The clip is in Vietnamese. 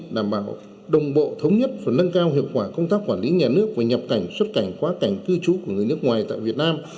đảm bảo đồng bộ thống nhất và nâng cao hiệu quả công tác quản lý nhà nước về nhập cảnh xuất cảnh quá cảnh cư trú của người nước ngoài tại việt nam